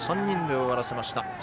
３人で終わらせました。